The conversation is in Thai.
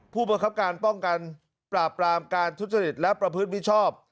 ผู้บังคับการป้องกันปราบปรามการทุจริตและประพฤติมิชชอบ